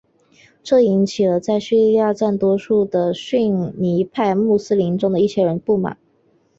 这引起了在叙利亚占多数的逊尼派穆斯林中的一些人的不满。